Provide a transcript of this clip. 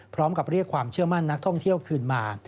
เรียกความเชื่อมั่นนักท่องเที่ยวคืนมา